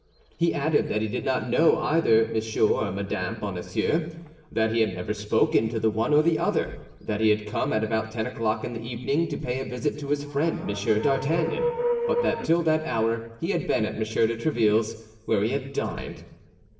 He added that he did not know either M. or Mme. Bonacieux; that he had never spoken to the one or the other; that he had come, at about ten o'clock in the evening, to pay a visit to his friend M. d'Artagnan, but that till that hour he had been at M. de Tréville's, where he had dined.